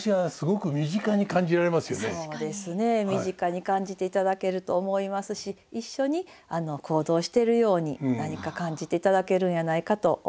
そうですね身近に感じていただけると思いますし一緒に行動しているように何か感じていただけるんやないかと思います。